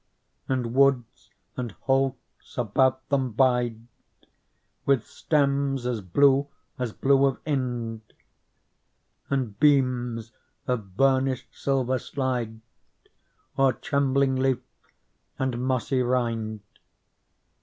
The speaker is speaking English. And woods and holts about them bide With stems as blue as blue of Ind ; And beams of burnished silver slide O'er trembling leaf and mossy rind.